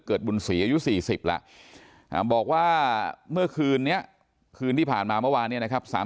บุญศรีอายุ๔๐แล้วบอกว่าเมื่อคืนนี้คืนที่ผ่านมาเมื่อวานเนี่ยนะครับ